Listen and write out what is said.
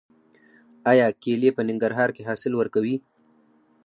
آیا کیلې په ننګرهار کې حاصل ورکوي؟